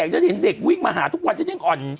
ฉันเห็นเด็กวิ่งมาหาทุกวันฉันยังอ่อน